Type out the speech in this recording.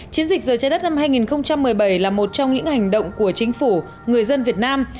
chiến dịch giờ trái đất năm hai nghìn một mươi bảy là một trong những hành động của chính phủ người dân việt nam